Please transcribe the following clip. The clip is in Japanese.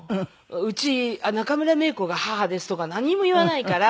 うち中村メイコが母ですとか何も言わないから。